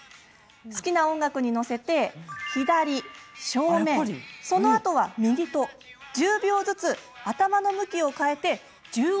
好きな音楽に乗せて左正面そのあとは右と１０秒ずつ頭の向きを変えて１０往復します。